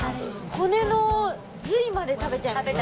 骨の髄まで食べちゃいました。